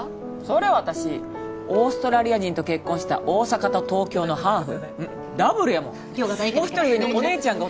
そりゃ私オーストラリア人と結婚した大阪と東京のハーフダブルやもん杏花さん